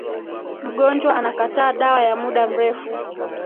mgonjwa anakataa dawa ya muda mrefu